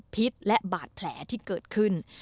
พิษและบาดแผลที่เกิดขึ้น